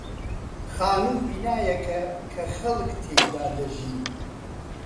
خانوو بینایەکە کە خەڵک تێیدا دەژین.